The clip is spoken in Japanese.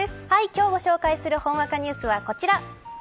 今日ご紹介するほんわかニュースはこちら。